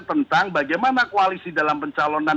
tentang bagaimana koalisi dalam pencalonan